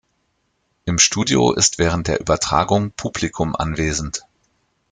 Im Studio ist während der Übertragung Publikum anwesend.